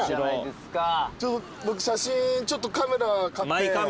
僕写真ちょっとカメラ買って。